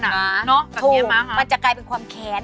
เนอะคงเงียบมากค่ะถูกมันจะกลายเป็นความแขน